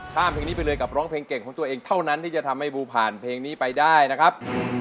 ปรับเพลงเลื่อยกับร้องเพลงแก่งของตัวเองเพิ่งที่จะสามารถร้องเพลงเลยนนี้ได้นะครับ